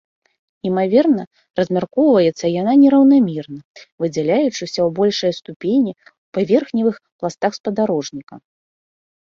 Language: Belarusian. Імаверна, размяркоўваецца яна нераўнамерна, выдзяляючыся ў большай ступені ў паверхневых пластах спадарожніка.